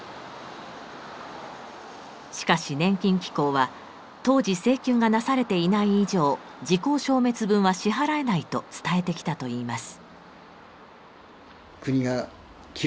しかし年金機構は当時請求がなされていない以上時効消滅分は支払えないと伝えてきたといいます。